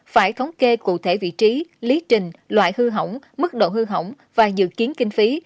phải thống kê cụ thể vị trí lý trình loại hư hỏng mức độ hư hỏng và dự kiến kinh phí